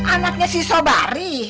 anaknya si sobari